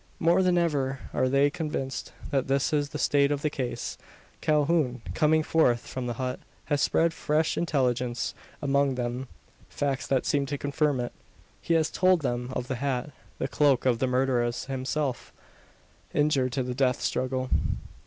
More than ever are they convinced that this is the state of the case. Calhoun, coming forth from the hut, has spread fresh intelligence among them facts that seem to confirm it. He has told them of the hat, the cloak of the murderer himself, injured in the death struggle!